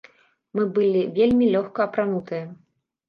Мы былі вельмі лёгка апранутыя.